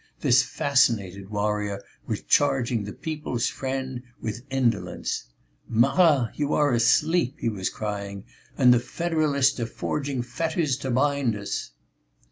This fascinating warrior was charging the People's Friend with indolence: "Marat, you are asleep," he was crying, "and the federalists are forging fetters to bind us."